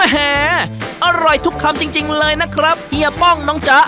อร่อยทุกคำจริงเลยนะครับเฮียป้องน้องจ๊ะ